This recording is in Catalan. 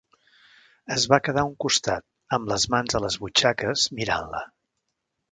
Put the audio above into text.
Es va quedar a un costat, amb les mans a les butxaques, mirant-la.